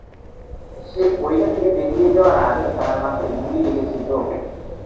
সে পরিখা থেকে বেরিয়ে যাওয়ার আগে তার মাথায় গুলি লেগেছিল।